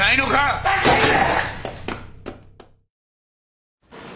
ふざけんな！